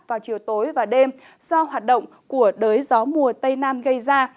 vào chiều tối và đêm do hoạt động của đới gió mùa tây nam gây ra